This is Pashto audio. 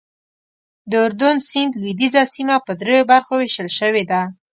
د اردن سیند لوېدیځه سیمه په دریو برخو ویشل شوې ده.